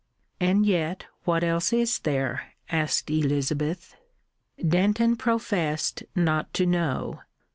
"And yet what else is there?" asked Elizabeth. Denton professed not to know.